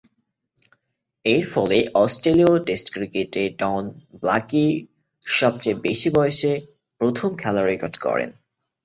এরফলে অস্ট্রেলীয় টেস্ট ক্রিকেটে ডন ব্ল্যাকি’র সবচেয়ে বেশি বয়সে প্রথম খেলার রেকর্ডে গড়েন।